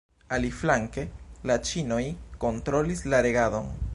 Aliflanke, la ĉinoj kontrolis la regadon.